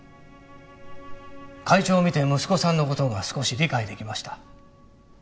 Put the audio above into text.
会長を見て息子さんの事が少し理解できました。